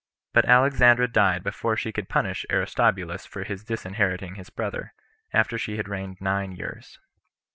But Alexandra died before she could punish Aristobulus for his disinheriting his brother, after she had reigned nine years.